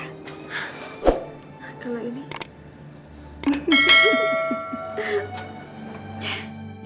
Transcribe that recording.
nah kalau ini